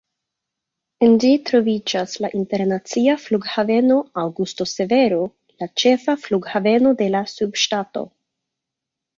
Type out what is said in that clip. En ĝi troviĝas la Internacia Flughaveno Augusto Severo, la ĉefa flughaveno de la subŝtato.